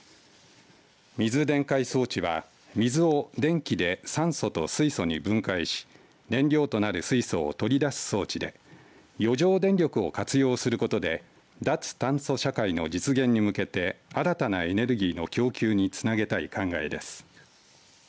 水電解装置は水を電気で酸素と水素に分解し燃料となる水素を取り出す装置で余剰電力を活用することで脱炭素社会の実現に向けて新たなエネルギーの供給につなげたい考えです。